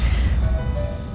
aku takut ketauan papa